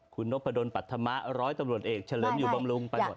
คุณนกประดนประธมา๑๐๐ตำรวจเอกเฉลิมอยู่บำรุงไปหมด